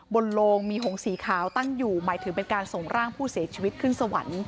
โรงโลงมีหงสีขาวตั้งอยู่หมายถึงเป็นการส่งร่างผู้เสียชีวิตขึ้นสวรรค์